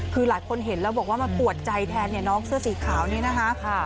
คือหลายคนเห็นแล้วบอกว่ามาปวดใจแทนเนี่ยน้องเสื้อสีขาวนี้นะคะ